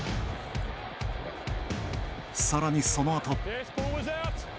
さらに、そのあと。